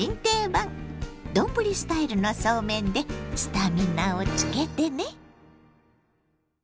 丼スタイルのそうめんでスタミナをつけてね。